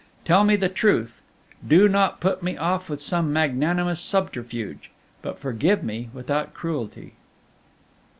Tell me the truth, do not put me off with some magnanimous subterfuge, but forgive me without cruelty."